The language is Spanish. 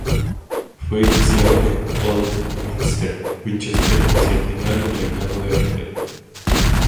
Fue iniciado en Old Minster, Winchester hacia el final del reinado de Alfredo.